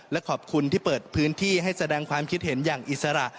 และขอบคุณที่เปิดพื้นที่ให้แสดงความคิดเห็นอย่างอิสระ